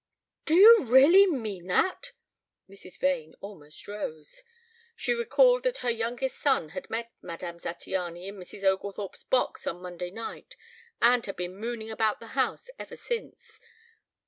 "Do you really mean that?" Mrs. Vane almost rose. She recalled that her youngest son had met Madame Zattiany in Mrs. Oglethorpe's box on Monday night and had been mooning about the house ever since.